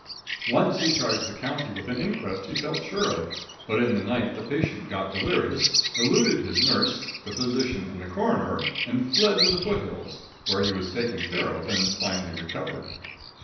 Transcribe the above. Once he charged the county with an inquest he felt sure of, but in the night the patient got delirious, eluded his nurse, the physician and coroner, and fled to the foot hills, where he was taken care of and finally recovered.